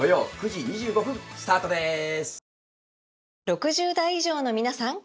６０代以上のみなさん！